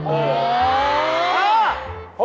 โอ้โฮฮ้า